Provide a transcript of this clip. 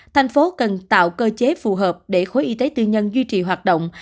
thành phố cần tạo cơ chế phù hợp để khối y tế tư nhân duy trì hoạt động